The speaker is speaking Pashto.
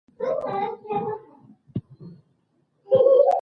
له بدخشان، پنجشیر، لغمان او اسمار له لوري یې حمله پیل کړه.